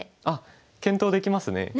あっ検討できますね。